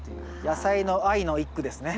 野菜の愛の一句ですね。